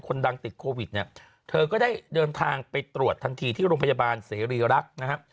ดังติดโควิดเนี่ยเธอก็ได้เดินทางไปตรวจทันทีที่โรงพยาบาลเสรีรักษ์นะฮะ